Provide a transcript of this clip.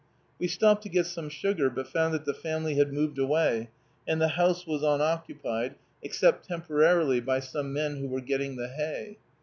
We stopped to get some sugar, but found that the family had moved away, and the house was unoccupied, except temporarily by some men who were getting the hay.